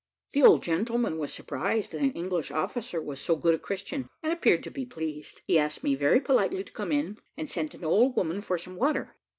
The old gentleman was surprised that an English officer was so good a Christian, and appeared to be pleased. He asked me very politely to come in, and sent an old woman for some water.